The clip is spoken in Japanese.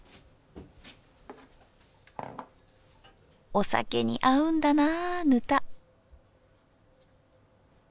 お酒に合うんだなぁぬた。